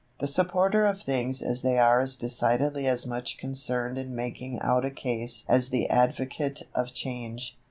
The supporter of things as they are is decidedly as much concerned in making out a case as the advocate of change.